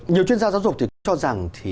nhiều chuyên gia giáo dục cho rằng